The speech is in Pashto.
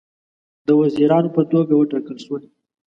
د وزیرانو په توګه وټاکل شول.